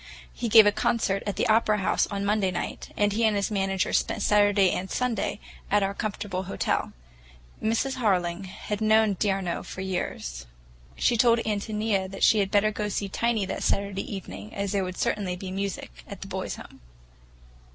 He gave a concert at the Opera House on Monday night, and he and his manager spent Saturday and Sunday at our comfortable hotel. Mrs. Harling had known d'Arnault for years. She told Ántonia she had better go to see Tiny that Saturday evening, as there would certainly be music at the Boys' Home.